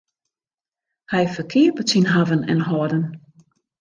Hy ferkeapet syn hawwen en hâlden.